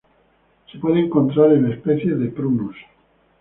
Se puede encontrar en especies de "Prunus"